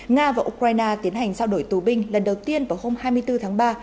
nga và ukraine tiến hành trao đổi tù binh lần đầu tiên vào hôm hai mươi bốn tháng ba